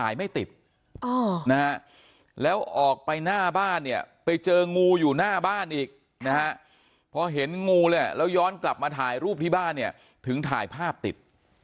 อยู่หน้าบ้านอีกนะฮะพอเห็นงูแล้วย้อนกลับมาถ่ายรูปที่บ้านเนี่ยถึงถ่ายภาพติด